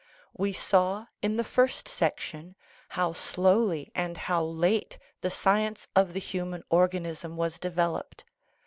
We saw in the first section how slowly and how late the science of the human organism was developed.